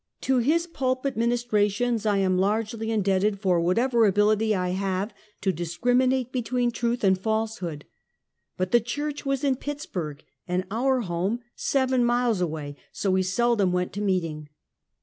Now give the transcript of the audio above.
To his pulpit ministrations I am largely indebted for whatever ability I have to discriminate between truth and falsehood; but the church was in Pittsburg, and our home seven miles away, so we seldom went to meeting.